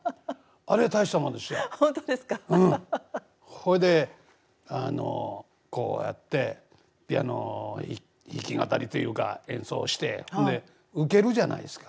ほいであのこうやってピアノ弾き語りというか演奏してウケるじゃないですか。